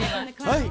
はい。